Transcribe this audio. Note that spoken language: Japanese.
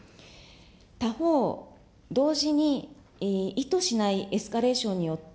他方、同時に、意図しないエスカレーションによって、